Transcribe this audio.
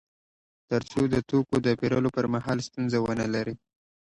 تر څو د توکو د پېرلو پر مهال ستونزه ونلري